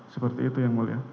seperti itu yang mulia